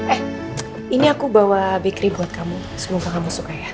eh ini aku bawa bikery buat kamu semoga kamu suka ya